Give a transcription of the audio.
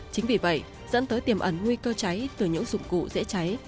chính vì vậy dẫn tới tiềm ẩn nguy cơ cháy từ những dụng cụ dễ cháy